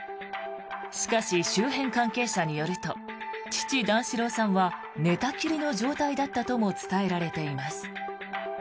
しかし、周辺関係者によると父・段四郎さんは寝たきりの状態だったとも伝えられています。